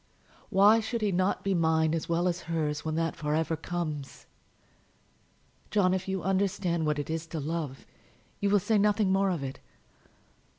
Why should he not be mine as well as hers when that for ever comes? John, if you understand what it is to love, you will say nothing more of it.